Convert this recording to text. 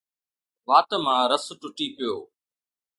وات مان رس ٽٽي پيو